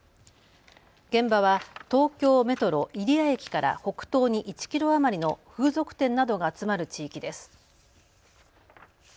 現場は東京メトロ入谷駅から北東に１キロ余りの風俗店などが集まる地域です。